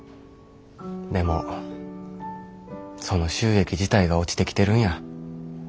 でもその収益自体が落ちてきてるんや。